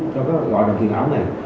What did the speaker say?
cho các loại đồng tiền áo này